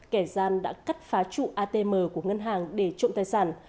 kẻ gian đã cắt phá trụ atm của ngân hàng để trộm tài sản